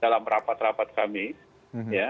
dalam rapat rapat kami ya